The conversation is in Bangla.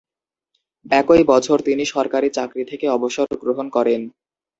একই বছর তিনি সরকারি চাকরি থেকে অবসর গ্রহণ করেন।